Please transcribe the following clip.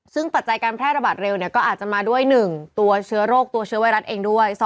ซึ่งปัจจัยการแพร่ระบาดเร็วก็อาจจะมาด้วย๑ตัวเชื้อโรคตัวเชื้อไวรัสเองด้วย